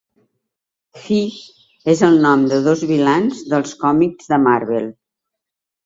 Fish és el nom de dos vilans dels còmics de Marvel.